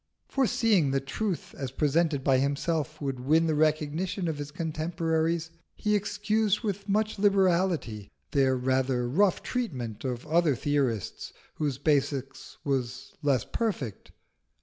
Foreseeing that truth as presented by himself would win the recognition of his contemporaries, he excused with much liberality their rather rough treatment of other theorists whose basis was less perfect.